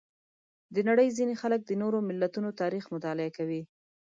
د نړۍ ځینې خلک د نورو ملتونو تاریخ مطالعه کوي.